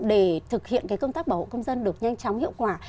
để thực hiện công tác bảo hộ công dân được nhanh chóng hiệu quả